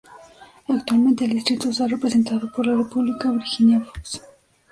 Actualmente el distrito está representado por la Republicana Virginia Foxx.